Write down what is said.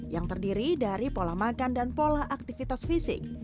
yang terdiri dari pola makan dan pola aktivitas fisik